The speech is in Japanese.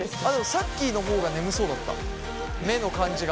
さっきのほうが眠そうだった目の感じが。